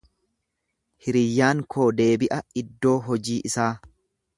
Hiriyyaan koo deebi'a iddoo hojii isaa.